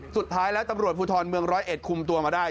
สุดท้ายแล้วตำรวจภูทรเมืองร้อยเอ็ดคุมตัวมาได้